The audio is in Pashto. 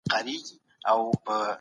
د قدرت د ساتلو له پاره هوښياري پکار ده.